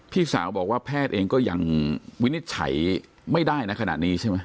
พี่สาวบอกว่าแพทย์เองก็ยังวินิจฉัยไม่ได้นะขณะนี้ใช่ไหม